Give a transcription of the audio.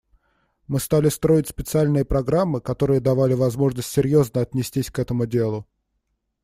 Мы стали строить специальные программы, которые давали возможность серьезно отнестись к этому делу.